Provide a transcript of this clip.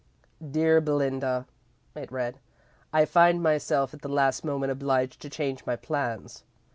"Dear Belinda," it read. "I find myself at the last moment obliged to change my plans.